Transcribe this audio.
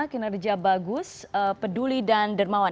kinerja bagus peduli dan dermawan